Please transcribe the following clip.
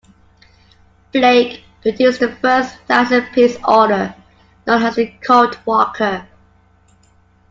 Blake produced the first thousand-piece order, known as the Colt Walker.